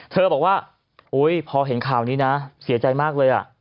เธอบอกว่าพอเห็นข่าวนี้นะเสียใจมากเลย